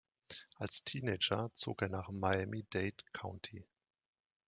Als Teenager zog er nach Miami-Dade County.